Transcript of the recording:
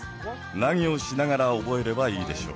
何をしながら覚えればいいでしょう？